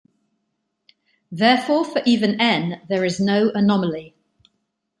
Therefore for even "n" there is no anomaly.